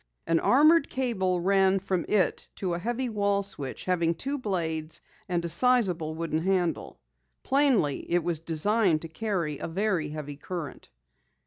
An armored cable ran from it to a heavy wall switch having two blades and a sizable wooden handle. Plainly it was designed to carry a very heavy current.